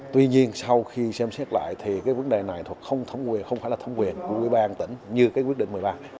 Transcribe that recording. tuy nhiên sau khi xem xét lại thì cái vấn đề này không phải là thẩm quyền của quỹ băng tỉnh như cái quyết định một mươi ba